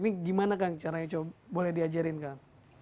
ini gimana kan caranya boleh diajarin kan